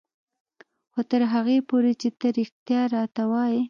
خو تر هغې پورې چې ته رښتيا راته وايې.